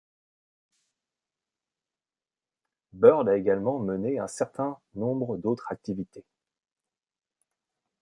Bird a également mené un certain nombre d'autres activités.